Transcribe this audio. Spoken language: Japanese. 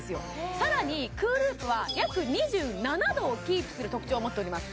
さらにＣＯＯＬＯＯＰは約２７度をキープする特徴を持っております